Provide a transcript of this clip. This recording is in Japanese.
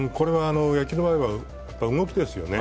野球の場合は動きですよね。